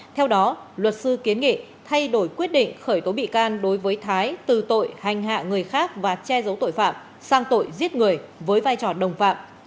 theo đó luật sư kiến nghị thay đổi quyết định khởi tố bị can đối với thái từ tội hành hạ người khác và che giấu tội phạm sang tội giết người với vai trò đồng phạm